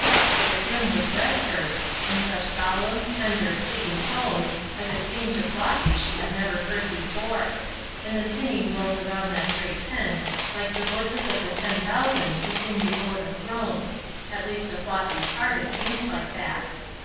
But the hymn was read first, in such solemn, tender, pleading tones as it seemed to Flossy she had never heard before; and the singing rolled around that great tent like the voices of the ten thousand who sing before the throne at least to Flossy's heart it seemed like that.